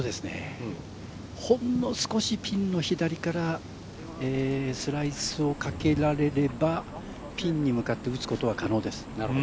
ほんの少し、ピンの左からスライスをかけられればピンに向かって打つことは可能です。